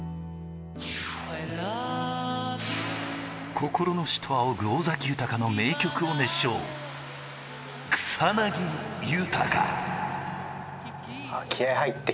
心の師と仰ぐ尾崎豊の名曲を熱唱、草薙豊。